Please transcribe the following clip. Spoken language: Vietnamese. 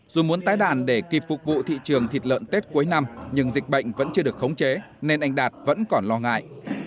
dù muốn tái đàn để kịp phục vụ thị trường thịt lợn tết cuối năm nhưng dịch bệnh vẫn chưa được khống chế nên anh đạt vẫn còn lo ngại